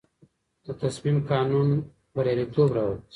د تصمیم قانون بریالیتوب راولي.